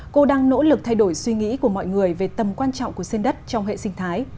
cô đang nỗ lực thay đổi suy nghĩ của mọi người về tầm quan trọng của sen đất trong hệ sinh thái